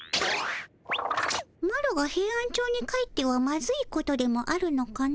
マロがヘイアンチョウに帰ってはマズいことでもあるのかの？